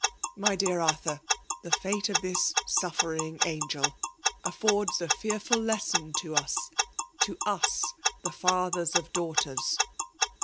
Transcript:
My dear Arthur, the fate of this suffering angel affords a fearful lesson to us, to tUy the fathers of daughters.